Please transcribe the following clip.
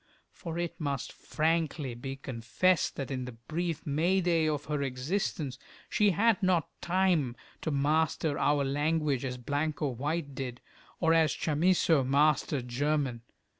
For it must frankly be confessed that in the brief May day of her existence she had not time to master our language as Blanco White did, or as Chamisso mastered German.